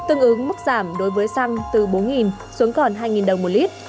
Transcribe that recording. tương ứng mức giảm đối với xăng từ bốn xuống còn hai đồng một lít